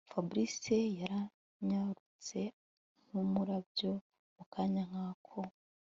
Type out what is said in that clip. Fabric yaranyarutse nkumurabyo mukanya nkako